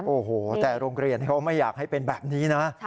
โอ้โหแต่โรงเรียนเขาไม่อยากให้เป็นแบบนี้นะ